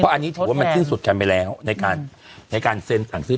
อันนี้ถือว่ามันสิ้นสุดกันไปแล้วในการในการเซ็นสั่งซื้อ